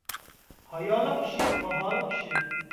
ھايالىق كىشى – باھالىق كىشى.